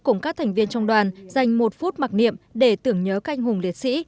cùng các thành viên trong đoàn dành một phút mặc niệm để tưởng nhớ canh hùng liệt sĩ